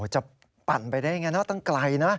ปั่นไปได้ยังไงนะตั้งไกลนะ